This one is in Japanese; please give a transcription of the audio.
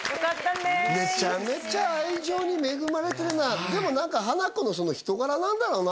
メチャメチャ愛情に恵まれてるなでも何かハナコの人柄なんだろうな